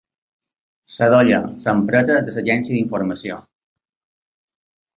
Sadolla l'empresa de l'agència d'informació.